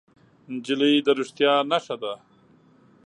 نجلۍ د رښتیا نښه ده.